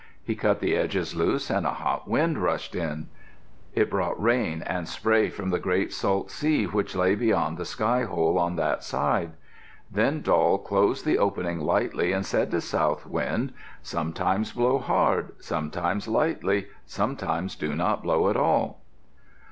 He cut the edges loose and a hot wind rushed in. It brought rain, and spray from the great salt sea which lay beyond the sky hole on that side. Then Doll closed the opening lightly and said to South Wind, "Sometimes blow hard, sometimes lightly. Sometimes do not blow at all."